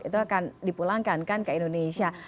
itu akan dipulangkankan ke indonesia